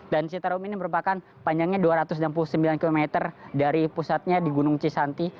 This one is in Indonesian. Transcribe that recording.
dan citarum ini merupakan panjangnya dua ratus enam puluh sembilan km dari pusatnya di gunung cisanti